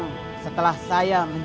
hipe ya pakai